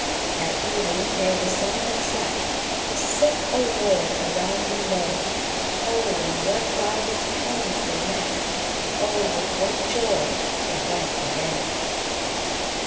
"At even, ere the sun had set, The sick, O Lord, around Thee lay; Oh, in what divers pains they met, Oh, with what joy they went away!"